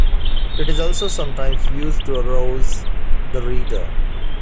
It is also sometimes used to arouse the reader.